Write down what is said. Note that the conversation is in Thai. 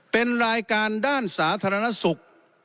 เป็นรายการด้านสาธารณสุข